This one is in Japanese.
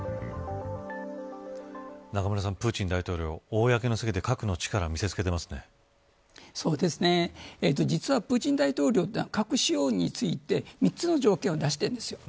中村さん、プーチン大統領公の席でそうですね、実はプーチン大統領は核使用について３つの条件を出しているんですよ。